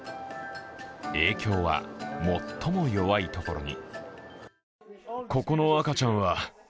影響は最も弱いところに。